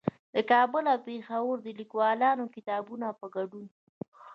د کابل او پېښور د ليکوالانو د کتابونو په ګډون